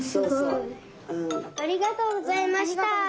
すごい！ありがとうございました！